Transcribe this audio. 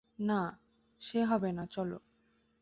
না, সে হবে না–চলো।